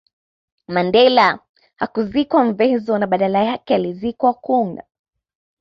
Mandela hakuzikwa Mvezo na badala yake alizikwa Qunu